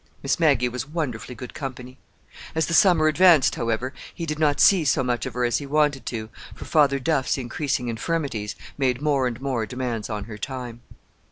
Miss Maggie was wonderfully good company. As the summer advanced, however, he did not see so much of her as he wanted to, for Father Duff's increasing infirmities made more and more demands on her time.